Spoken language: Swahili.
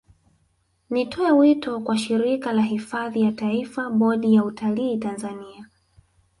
Nitoe wito kwa Shirika la Hifadhi za Taifa Bodi ya Utalii Tanzania